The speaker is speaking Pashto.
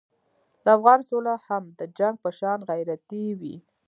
د افغان سوله هم د جنګ په شان غیرتي وي.